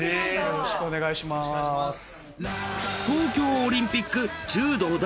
よろしくお願いします。